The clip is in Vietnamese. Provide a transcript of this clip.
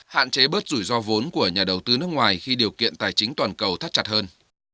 hạn chế bớt rủi ro vốn của nhà đầu tư nước ngoài khi điều kiện tài chính toàn cầu thắt chặt hơn